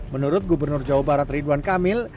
menurut gubernur jawa barat ridwan kamil